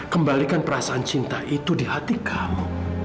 kembalikan perasaan cinta itu di hati kamu